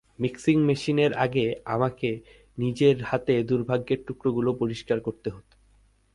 Mixing মেশিনের আগে, আমাকে নিজের হাতে দুর্ভাগ্যের টুকরোগুলো পরিষ্কার করতে হতো।